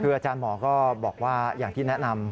คืออาจารย์หมอก็บอกว่าอย่างที่แนะนำ